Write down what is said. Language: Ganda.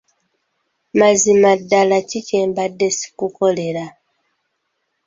Mazima ddala ki kye mbadde sikukolera?